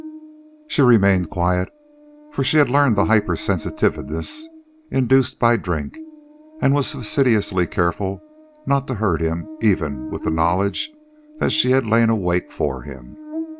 She remained quiet, for she had learned the hypersensitiveness induced by drink and was fastidiously careful not to hurt him even with the knowledge that she had lain awake for him.